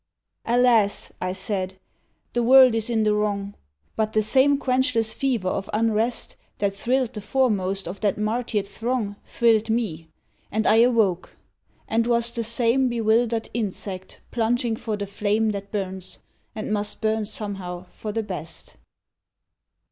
Alas! I said, the world is in the wrong. But the same quenchless fever of unrest That thrilled the foremost of that martyred throng Thrilled me, and I awoke ... and was the same Bewildered insect plunging for the flame That burns, and must burn somehow for the best.